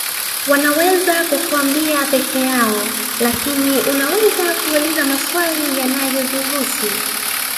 Wanaweza kukuambia pekee yao lakini unaweza kuuliza maswali yanayozihusu